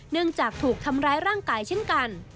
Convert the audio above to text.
จากถูกทำร้ายร่างกายเช่นกัน